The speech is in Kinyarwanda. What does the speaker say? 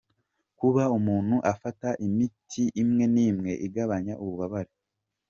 Kuba umuntu afata imiti imwe n’imwe igabanya ububabare.